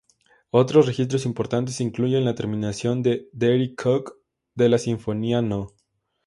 Otros registros importantes incluyen la terminación de Deryck Cooke de la Sinfonía no.